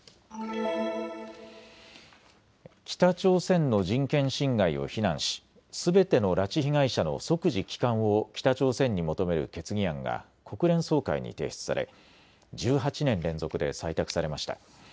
北朝鮮の人権侵害を非難しすべての拉致被害者の即時帰還を北朝鮮に求める決議案が国連総会に提出され、１８年連続で採択されました。